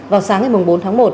vào sáng ngày bốn tháng một